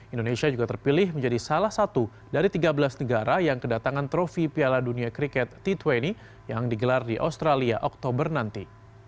indonesia juga terpilih menjadi salah satu dari tiga belas negara yang kedatangan trofi piala dunia kriket t dua puluh yang digelar di australia oktober nanti